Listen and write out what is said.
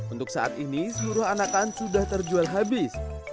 untuk saat ini seluruh anakan sudah terjual habis